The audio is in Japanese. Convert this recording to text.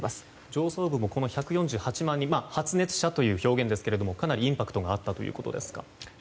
上層部も１４８万人発熱者という表現ですがかなりインパクトがあったということですか？